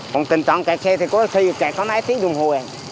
còn tình trạng chạy xe thì có xe chạy có mấy tiếng đồng hồ